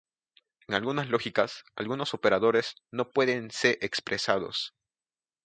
En algunas lógicas, algunos operadores no pueden se expresados.